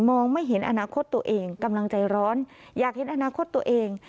ไม่เห็นอนาคตตัวเองกำลังใจร้อนอยากเห็นอนาคตตัวเอง